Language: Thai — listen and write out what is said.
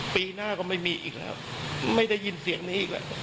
ปีหน้าก็ไม่มีอีกแล้วไม่ได้ยินเสียงนี้อีกแล้ว